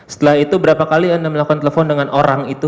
setelah itu berapa kali anda melakukan telepon dengan orang itu